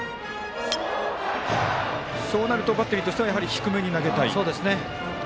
そうなるとバッテリーとしては低めに投げたい？